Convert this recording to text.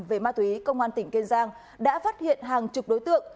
về ma túy công an tỉnh kiên giang đã phát hiện hàng chục đối tượng